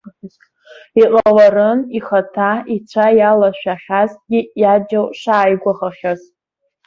Иҟаларын, ихаҭа ицәа иалашәахьазҭгьы иаџьал шааигәахахьаз.